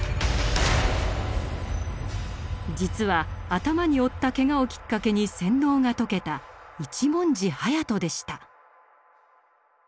実は頭に負ったケガをきっかけに洗脳が解けた一文字隼人でした。